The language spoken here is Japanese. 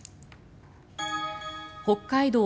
北海道